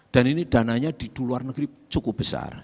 dan ini dananya di luar negeri cukup besar